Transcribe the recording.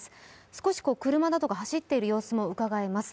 少し車などが走っている様子もうかがえます。